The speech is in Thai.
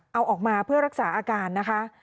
เอาออกมาเพื่อรักษาอาการนะคะ